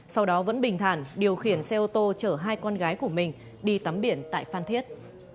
sau đó vẫn bình thản điều khiển xe ô tô chở hai con gái của mình đi tắm biển tại phan thiết